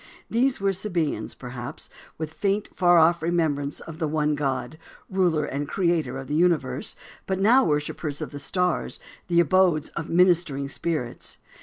These were Sabeans, perhaps, with a faint, far off remembrance of the One God, ruler and creator of the universe, but now worshippers of the stars, the abodes of ministering spirits.